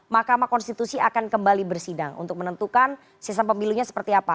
mahkamah konstitusi akan kembali bersidang untuk menentukan sistem pemilunya seperti apa